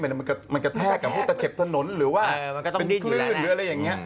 มันกระแทกกับผู้ตะเข็บถนนหรือว่าเป็นคลื่นหรืออะไรอย่างนี้